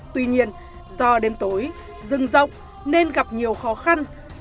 tuy nhiên do đêm tối rừng rộng nên gặp nhiều khó khăn